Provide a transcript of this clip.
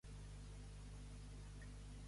Dos arbres, dos pobles.